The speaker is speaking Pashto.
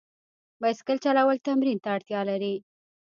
بایسکل چلول تمرین ته اړتیا لري.